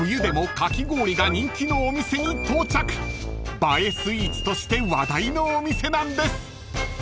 ［映えスイーツとして話題のお店なんです］